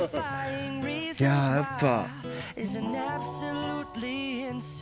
いややっぱ。